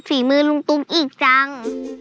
ฝีมือรุ้มตุ๊กอีกจัง